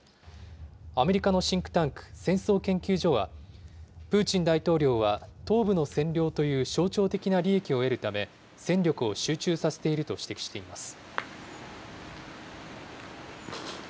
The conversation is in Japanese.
アメリカのシンクタンク、戦争研究所は、プーチン大統領は、東部の占領という象徴的な利益を得るため、戦力を集中させていると指摘しています。